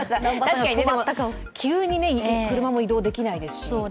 確かに、急に車も移動できないですし。